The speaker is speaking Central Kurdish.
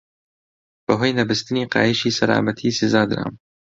بەهۆی نەبەستنی قایشی سەلامەتی سزا درام.